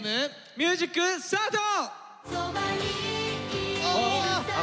ミュージックスタート！